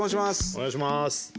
お願いします。